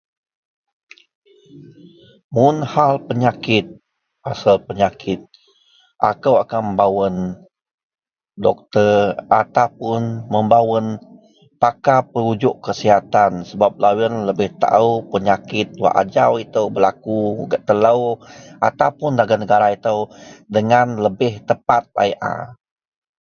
Mun hal penyakit, asel penyakit, akou akan membawen doktor ataupun membawen pakar perujuk kesihatan sebab loyen lebeh taou penyakit wak ajau itou belaku gak telou ataupun dagen negara itou dengan lebeh tepat laei a